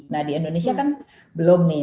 nah di indonesia kan belum nih